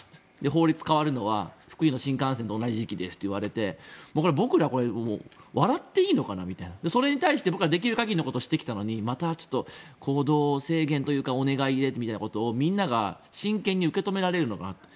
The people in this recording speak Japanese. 法律変わるのは福井の新幹線と同じ時期ですって言われてこれ、僕らは笑っていいのかなみたいな。それに対して僕らはできる限りのことをしてきたのにまたちょっと行動制限というかお願いへみたいなことをみんなが真剣に受け止められるのかなと。